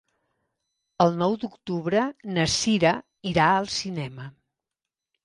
El nou d'octubre na Sira irà al cinema.